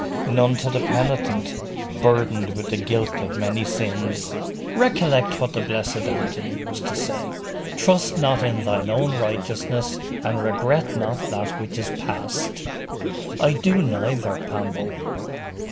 'None to the penitent, burdened with the guilt of many sins.' 'Recollect what the blessed Anthony used to say "Trust not in thine own righteousness, and regret not that which is past."' 'I do neither, Pambo.